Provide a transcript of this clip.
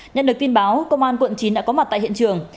nhận được tin báo công an quận chín đã có mặt tại hiện trường